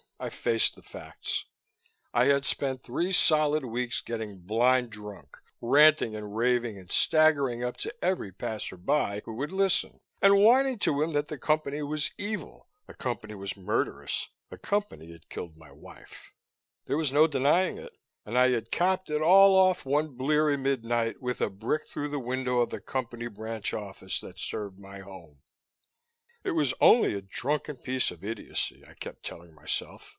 I faced the facts. I had spent three solid weeks getting blind drunk, ranting and raving and staggering up to every passer by who would listen and whining to him that the Company was evil, the Company was murderous, the Company had killed my wife. There was no denying it. And I had capped it all off one bleary midnight, with a brick through the window of the Company branch office that served my home. It was only a drunken piece of idiocy, I kept telling myself.